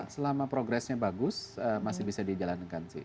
selama progresnya bagus masih bisa dijalankan sih